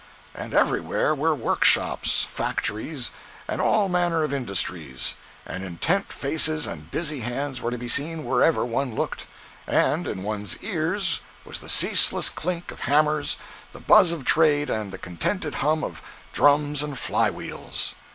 And everywhere were workshops, factories, and all manner of industries; and intent faces and busy hands were to be seen wherever one looked; and in one's ears was the ceaseless clink of hammers, the buzz of trade and the contented hum of drums and fly wheels.